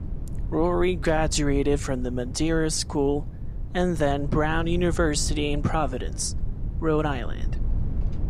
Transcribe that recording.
Rory graduated from The Madeira School and then Brown University in Providence, Rhode Island.